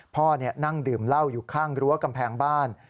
พ่อนั่งดื่มเหล้าอยู่ข้างรั้วกำแพงบ้าน